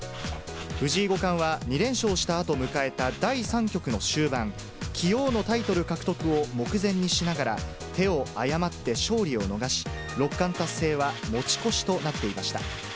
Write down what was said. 藤井五冠は２連勝したあと迎えた第３局の終盤、棋王のタイトル獲得を目前にしながら、手を誤って勝利を逃し、六冠達成は持ち越しとなっていました。